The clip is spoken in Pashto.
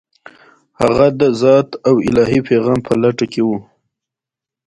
هغه د ذات او الهي پیغام په لټه کې و.